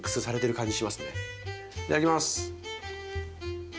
いただきます。